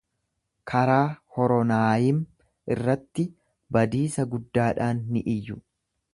Karaa Horonaayim irratti badiisa guddaadhaan ni iyyu.